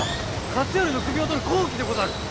勝頼の首を取る好機でござる！